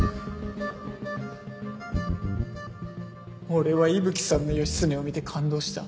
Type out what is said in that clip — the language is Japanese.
俺は伊吹さんの義経を見て感動した。